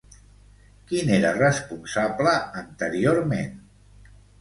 Qui n'era responsable anteriorment?